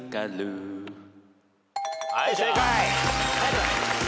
はい正解。